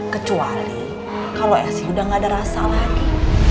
kecuali kalau eshi udah gak ada rasa lagi